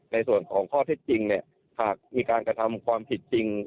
ในส่วนของข้อเท็จจริงเนี่ยหากมีการกระทำความผิดจริง